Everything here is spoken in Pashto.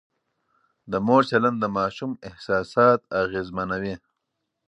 د مور چلند د ماشوم احساسات اغېزمنوي.